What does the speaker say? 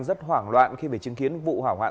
rất hoảng loạn khi phải chứng kiến vụ hỏa hoạn